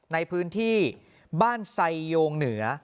ในพื้นที่บ้านไซโยงเหนือ